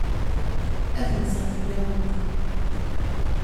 Ad mmteɣ fell-awen.